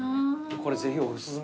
これぜひお薦め。